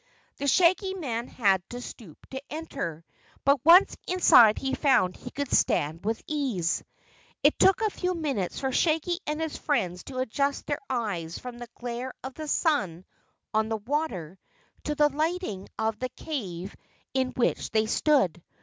The Shaggy Man had to stoop to enter, but once inside he found he could stand with ease. It took a few minutes for Shaggy and his friends to adjust their eyes from the glare of the sun on the water to the lighting of the cave in which they stood.